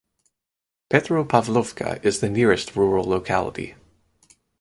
Petropavlovka is the nearest rural locality.